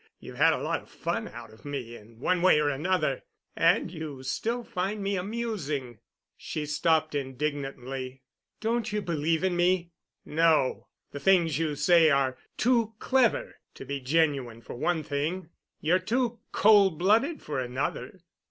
You've had a lot of fun out of me in one way or another, and you still find me amusing." She stopped indignantly. "Don't you believe in me?" "No. The things you say are too clever to be genuine for one thing. You're too cold blooded for another."